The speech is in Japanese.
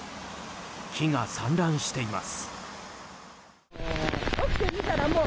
木が散乱しています。